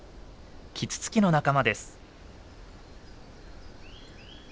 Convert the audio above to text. キツツキの仲間です。